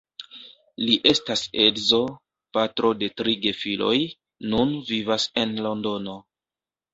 Li estas edzo, patro de tri gefiloj, nun vivas en Londono.